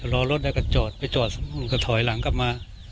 รอรถแล้วก็จอดไปจอดก็ถอยหลังกลับมา